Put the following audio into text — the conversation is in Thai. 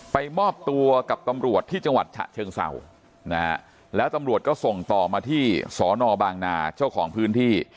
มอบตัวกับตำรวจที่จังหวัดฉะเชิงเศร้านะฮะแล้วตำรวจก็ส่งต่อมาที่สอนอบางนาเจ้าของพื้นที่